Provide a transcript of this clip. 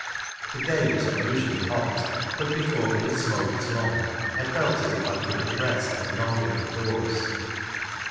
The day was unusually hot ; but, before we had smoked long, I felt as if I could'nt rest any longer indoors.